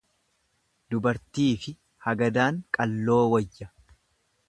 Dubartiifi agadaan qalloo wayya.